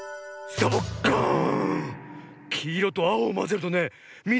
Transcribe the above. サボッカーン！